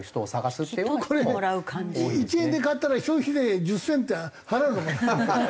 これ１円で買ったら消費税１０銭って払うのかな？